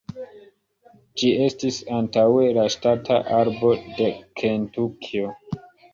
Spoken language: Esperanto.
Ĝi estis antaŭe la ŝtata arbo de Kentukio.